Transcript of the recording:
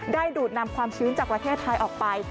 ดูดนำความชื้นจากประเทศไทยออกไป